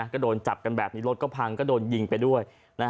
ก็โดนจับกันแบบนี้รถก็พังก็โดนยิงไปด้วย